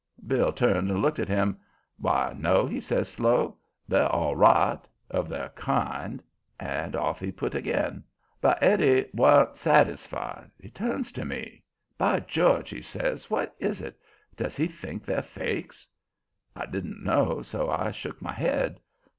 Bill turned and looked at him. "Why, no," he says, slow. "They're all right of their kind." And off he put again. But Eddie wa'n't satisfied. He turns to me. "By George!" he says. "What is it? Does he think they're fakes?" I didn't know, so I shook my head.